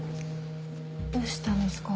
どうしたんですか？